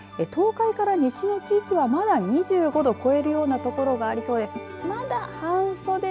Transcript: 東海から西の地域はまだ２５度を超えるような所がありそうです。